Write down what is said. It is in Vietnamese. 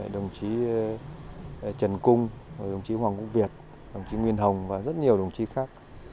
đồng chí trần cung đồng chí hoàng quốc việt đồng chí nguyên hồng và rất nhiều đồng chí khác